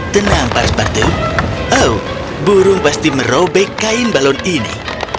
tenang pas patut oh burung pasti merobek kain balon ini